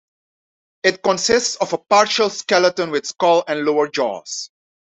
It consists of a partial skeleton with skull and lower jaws.